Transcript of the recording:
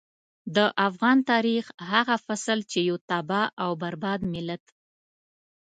د افغان تاريخ هغه فصل چې يو تباه او برباد ملت.